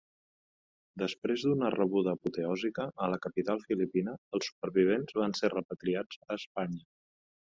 Després d'una rebuda apoteòsica a la capital filipina, els supervivents van ser repatriats a Espanya.